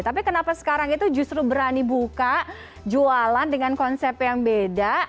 tapi kenapa sekarang itu justru berani buka jualan dengan konsep yang beda